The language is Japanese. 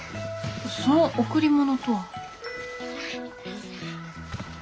その贈り物とは？